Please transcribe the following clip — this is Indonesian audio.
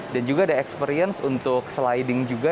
dan juga ada experience untuk sliding juga